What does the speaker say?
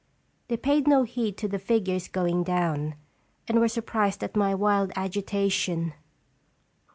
They paid no heed to the figures going down, and were sur prised at my wild agitation.